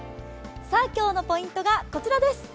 今日のポイントがこちらです。